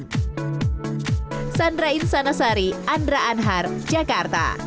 seperti kacang kacangan yang mengandung vitamin e serta apel kentang dan sayuran hijau seperti bayam yang mengandung kalium